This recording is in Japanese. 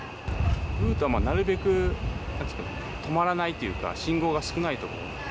ルートはなるべく止まらないというか、信号が少ない所。